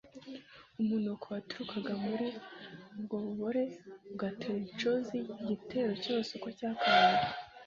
umunuko waturukaga muri ubwo bubore ugatera ishozi igitero cyose uko cyakabaye